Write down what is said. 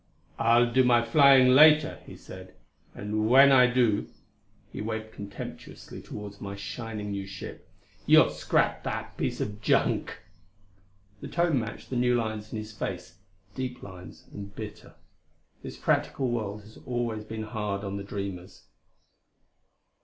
"I'll do my flying later," he said, "and when I do," he waved contemptuously toward my shining, new ship "you'll scrap that piece of junk." The tone matched the new lines in his face deep lines and bitter. This practical world has always been hard on the dreamers.